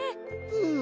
うん！